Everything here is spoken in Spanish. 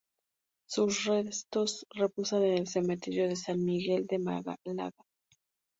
Sus restos reposan en el Cementerio de San Miguel de Málaga.